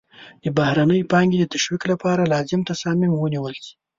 د بهرنۍ پانګې د تشویق لپاره لازم تصامیم ونیول شي.